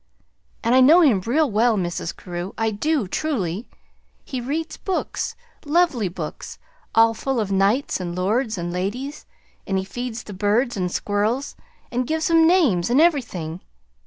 "And I know him real well, Mrs. Carew. I do, truly. He reads books lovely books, all full of knights and lords and ladies, and he feeds the birds and squirrels and gives 'em names, and everything.